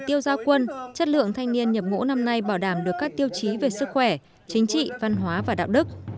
tiêu giao quân chất lượng thanh niên nhập ngũ năm nay bảo đảm được các tiêu chí về sức khỏe chính trị văn hóa và đạo đức